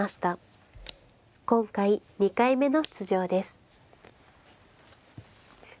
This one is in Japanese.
今回２回目の出場です。